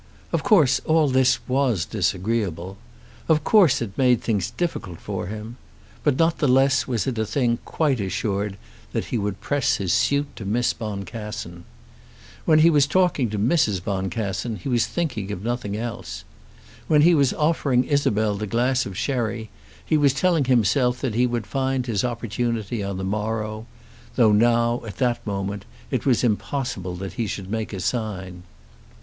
Of course all this was disagreeable. Of course it made things difficult for him. But not the less was it a thing quite assured that he would press his suit to Miss Boncassen. When he was talking to Mrs. Boncassen he was thinking of nothing else. When he was offering Isabel the glass of sherry he was telling himself that he would find his opportunity on the morrow, though now, at that moment, it was impossible that he should make a sign.